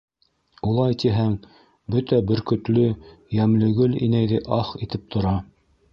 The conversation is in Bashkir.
Улай тиһәң, бөтә Бөркөтлө Йәмлегөл инәйҙе аһ итеп тора.